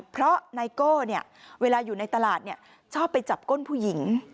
เพราะไนโก้เวลาอยู่ในตลาดชอบไปจับก้นผู้หญิง